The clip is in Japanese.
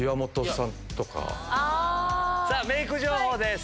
さぁメイク情報です。